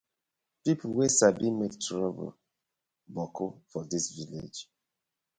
Pipu wey sabi mak toruble boku for dis villag.